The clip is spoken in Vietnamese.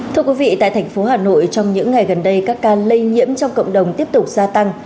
thưa quý vị tại thành phố hà nội trong những ngày gần đây các ca lây nhiễm trong cộng đồng tiếp tục gia tăng